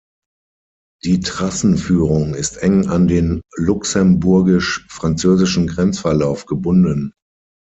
Die Trassenführung ist eng an den luxemburgisch-französischen Grenzverlauf gebunden.